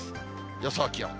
予想気温。